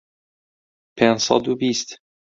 پێنج سەد و بیست